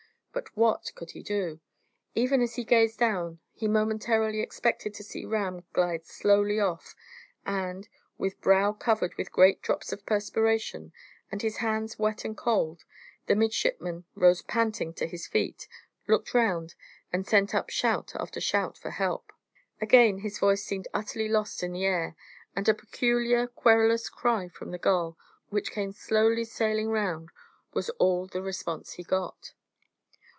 But what could he do? Even as he gazed down, he momentarily expected to see Ram glide slowly off, and, with brow covered with great drops of perspiration and his hands wet and cold, the midshipman rose panting to his feet, looked round, and sent up shout after shout for help. Again his voice seemed utterly lost in the air, and a peculiar, querulous cry from the gull, which came slowly sailing round, was all the response he got.